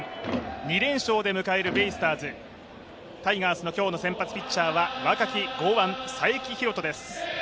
２連勝で迎えるベイスターズタイガースの今日の先発ピッチャーは若き剛腕・才木浩人です。